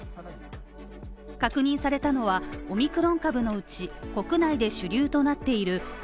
確認されたのは、オミクロン株のうち、国内で主流となっているＢＡ．